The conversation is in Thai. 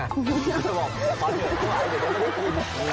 ร้อนเหนือไม่ไหวอยู่ในไม่พอทิ้ง